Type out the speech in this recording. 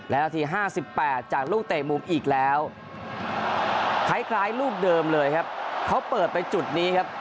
และนาที๕๘จากลูกเตะมุมอีกแล้วคล้ายลูกเดิมเลยครับเขาเปิดไปจุดนี้ครับ